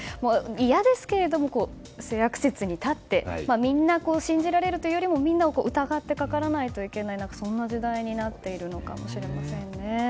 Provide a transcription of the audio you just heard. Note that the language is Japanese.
嫌ですけれども、性悪説に立ってみんな信じられるというよりも疑ってかからなければならないそんな時代になっているのかもしれませんね。